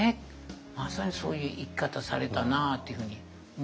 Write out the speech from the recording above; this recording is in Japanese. まさにそういう生き方されたなというふうに思います。